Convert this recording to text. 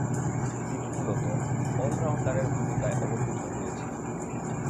তিনি মূলতঃ অল-রাউন্ডারের ভূমিকায় অবতীর্ণ হয়েছিলেন।